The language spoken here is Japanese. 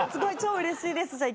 「超うれしいです！